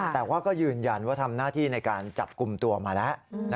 แต่ว่าก็ยืนยันว่าทำหน้าที่ในการจับกลุ่มตัวมาแล้ว